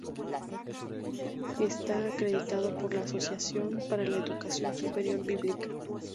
Está acreditado por la Asociación para la Educación Superior bíblica.